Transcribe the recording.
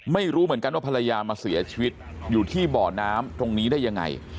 ไม่รู้เหมือนกันว่าภรรยามาเสียชีวิตอยู่ที่บ่อน้ำตรงนี้ได้ยังไง